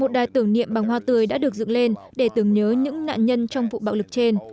một đài tưởng niệm bằng hoa tươi đã được dựng lên để tưởng nhớ những nạn nhân trong vụ bạo lực trên